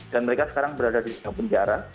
dan mereka sekarang berada di penjara